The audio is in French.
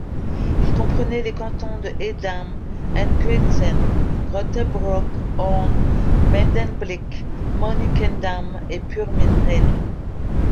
Il comprenait les cantons de Edam, Enkhuizen, Grootebroek, Hoorn, Medemblik, Monnickendam et Purmerend.